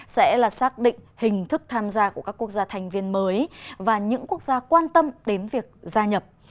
sẽ là xác định hình thức tham gia của các quốc gia thành viên mới và những quốc gia quan tâm đến việc gia nhập